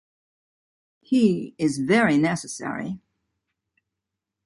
He is very necessary.